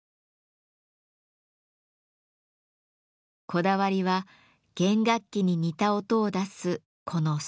こだわりは弦楽器に似た音を出すこの「ストップ」。